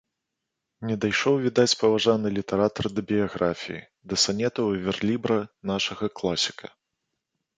Не дайшоў, відаць, паважаны літаратар да біяграфіі, да санетаў і верлібра нашага класіка.